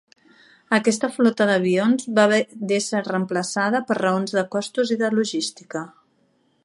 Aquesta flota d'avions va haver d'esser reemplaçada per raons de costos i de logística.